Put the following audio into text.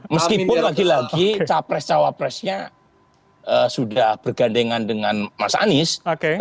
meskipun lagi lagi capres cawapresnya sudah bergandengan dengan pkb